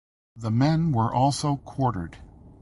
The men were also quartered.